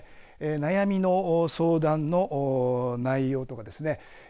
悩みの相談の内容とかですね。